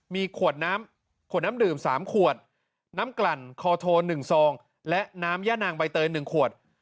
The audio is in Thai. มีขวดน้ำขวดน้ำดื่ม๓ขวดน้ำกลั่นคอโทน๑ซองและน้ำย่านางใบเตย๑ขวด